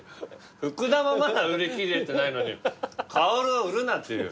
「福田」もまだ売り切れてないのに「薫」を売るなっていう。